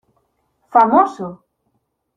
¡ famoso!